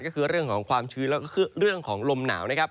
ก็คือเรื่องของความชื้นและเรื่องของลมหนาว